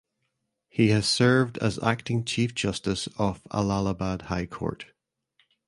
He has served as Acting Chief Justice of Allahabad High Court.